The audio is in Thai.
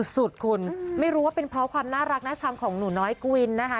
สุดคุณไม่รู้ว่าเป็นเพราะความน่ารักน่าชังของหนูน้อยกวินนะคะ